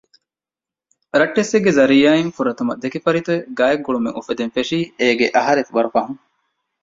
ރައްޓެއްސެއްގެ ޒަރީޢާއިން ފުރަތަމަ ދެކިފަރިތަވެ ގާތް ގުޅުމެއް އުފެދެން ފެށީ އޭގެ އަހަރެއް ވަރު ފަހުން